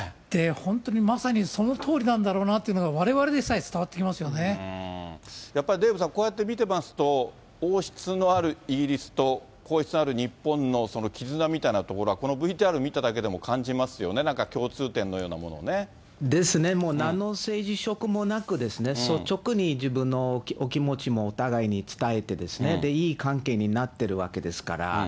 本当にまさにそのとおりなんだろうなというのが、われわれでさえ、やっぱりデーブさん、こうやって見てますと、王室のあるイギリスと、皇室のある日本のその絆みたいなところは、このＶＴＲ見ただけでも感じますよね、なんか共通点のようなものですね、もうなんの政治色もなく、率直に自分のお気持ちもお互いに伝えて、いい関係になってるわけですから。